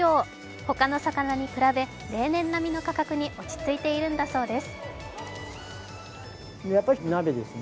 他の魚に比べ例年並みの価格に落ち着いているんだそうです。